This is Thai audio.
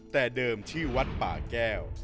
แต่เดิมที่วัดป่าแก้ว